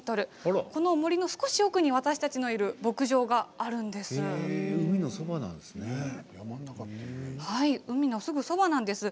この森の少し奥に私たちのいる海のそばなんですね。